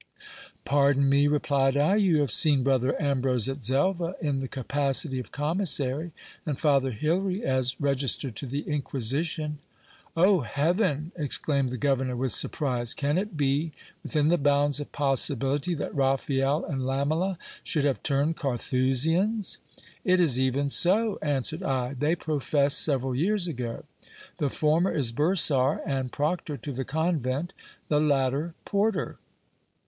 Pardon me, replied I ; you have seen brother Ambrose at Xelva in the capacity of commissary, and father Hilary as register to the Inquisition. Oh heaven ! exclaimed the governor with surprise, can it be within the bounds of possibility that Raphael and Lamela should have turned Carthusians ? It is even so, answered I ; they professed several years ago. The former is bursar and proctor to the convent ; the latter, porter.